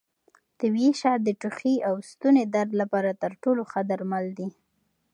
طبیعي شات د ټوخي او ستوني درد لپاره تر ټولو ښه درمل دي.